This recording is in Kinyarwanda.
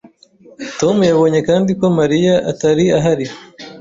Tom yabonye kandi ko Mariya atari ahari.